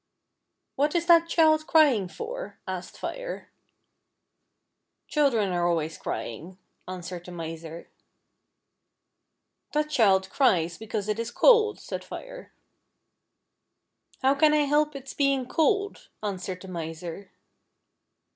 " What is that child crying for .'" asked Fire. no FIRE AND WATER. " Children are always crying," answered the Miser. " That child cries because it is cold," said Fire, "How can I help its being cold?" answered the Miser.